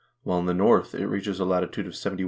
while in the north it reaches a lati tude of 71° 11'.